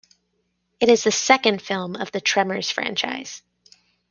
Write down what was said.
It is the second film of the "Tremors" franchise.